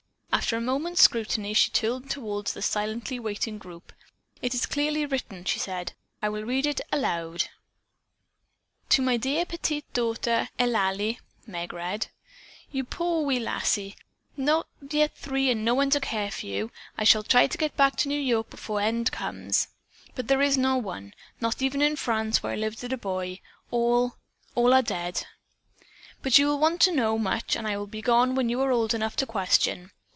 After a moment's scrutiny, she turned toward the silently waiting group. "It is clearly written," she said. "I will read it aloud: "'To my dear petite daughter Eulalie,'" Meg read, "'Poor little wee lassie! Not yet three and no one to care for you. I shall try to get back to New York before the end comes, but there is no one, not even in France, where I lived as a boy. All all are dead. "'But you will want to know much and I will be gone when you are old enough to question.